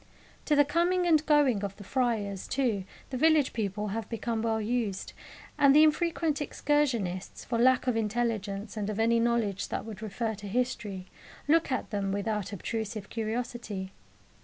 To the coming and going of the friars, too, the village people have become well used, and the infrequent excursionists, for lack of intelligence and of any knowledge that would refer to history, look at them without obtrusive curiosity.